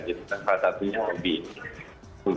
jadi itu salah satunya lebih